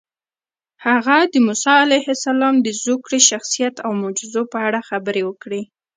هغه د موسی علیه السلام د زوکړې، شخصیت او معجزو په اړه خبرې وکړې.